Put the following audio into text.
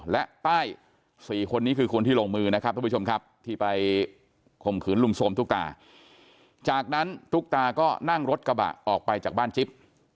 ลุงสมตุ๊กตาจากนั้นคุกกาก็นั่งรถกระบะออกไปจากบ้านจิ๊บ